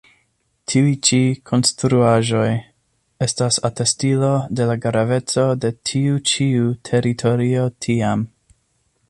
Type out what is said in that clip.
Tiuj ĉi konstruaĵoj estas atestilo de la graveco de tiu ĉiu teritorio tiam.